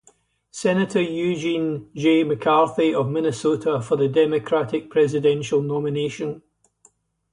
Senator Eugene J. McCarthy of Minnesota for the Democratic presidential nomination.